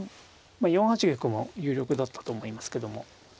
４八玉も有力だったと思いますけども。